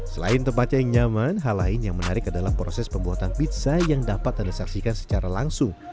selain tempatnya yang nyaman hal lain yang menarik adalah proses pembuatan pizza yang dapat anda saksikan secara langsung